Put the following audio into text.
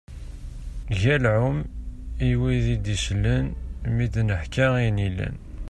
Galɛum i wid d-isellen, mi d-neḥka ayen yellan.